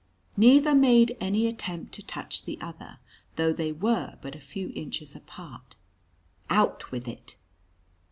Neither made any attempt to touch the other, though they were but a few inches apart. "Out with it!"